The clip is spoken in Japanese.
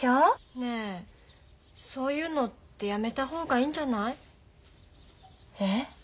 ねえそういうのってやめた方がいいんじゃない？え？